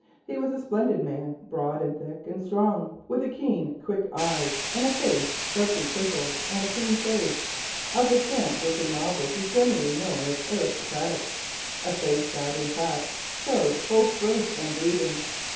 He was a splendid man, broad and thick and strong, with a keen, quick eye, and a face sharply chiselled, and clean shaved, of the stamp which in novels is generally known as aristocratic, a face, in fact, that showed both birth and breeding.